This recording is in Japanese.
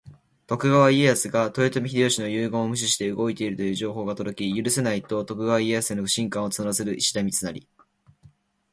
徳川家康が豊臣秀吉の遺言を無視して動いているという情報が届き、「許せない！」と徳川家康への不信感を募らせる石田三成。